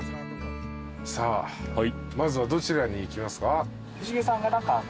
さあまずはどちらに行きますか？